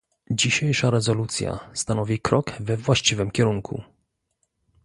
Dzisiejsza rezolucja stanowi krok we właściwym kierunku